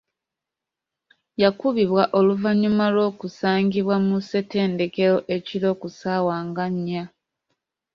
Yakubibwa oluvannyuma lw'okusangibwa mu ssenttedekero ekiro ku saawa nga nnya.